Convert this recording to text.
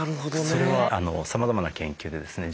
それはさまざまな研究でですね